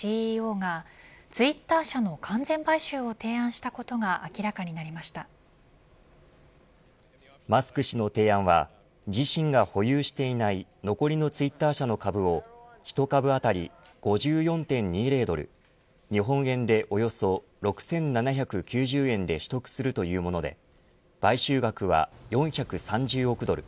ＣＥＯがツイッター社の完全買収を提案したことがマスク氏の提案は自身が保有していない残りのツイッター社の株を１株当たり５４．２０ドル日本円でおよそ６７９０円で取得するというもので買収額は４３０億ドル